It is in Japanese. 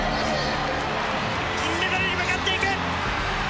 金メダルに向かっていく！